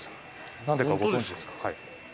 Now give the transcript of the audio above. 何でかご存知ですか？